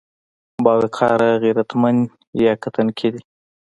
باوقاره، غيرتمن يا که تنکي دي؟